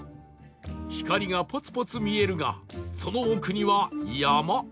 光がポツポツ見えるがその奥には山